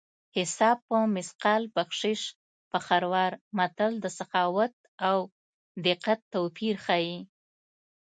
حساب په مثقال بخشش په خروار متل د سخاوت او دقت توپیر ښيي